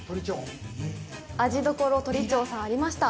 味処鳥長さん、ありました。